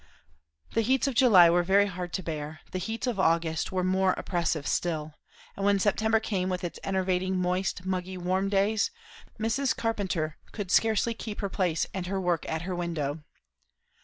The heats of July were very hard to bear; the heats of August were more oppressive still; and when September came with its enervating moist, muggy, warm days, Mrs. Carpenter could scarcely keep her place and her work at her window.